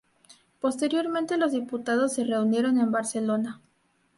Posteriormente los diputados se reunieron en Barcelona.